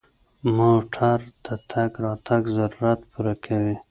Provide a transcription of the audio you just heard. موټر د تګ راتګ ضرورت پوره کوي.